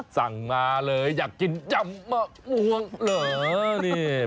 สั่งมาเลยอยากกินยำมะม่วงเหรอ